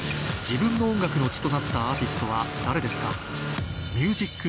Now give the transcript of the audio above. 自分の音楽の血となったアーティストは誰ですか？